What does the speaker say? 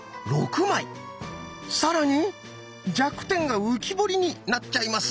更に弱点が浮き彫りになっちゃいます。